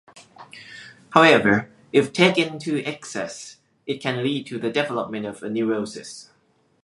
However, if taken to excess, it can lead to the development of a neurosis.